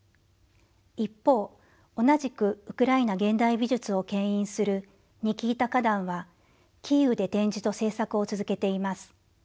一方同じくウクライナ現代美術をけん引するニキータ・カダンはキーウで展示と制作を続けています。